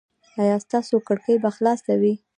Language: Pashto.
ایا ستاسو کړکۍ به خلاصه وي؟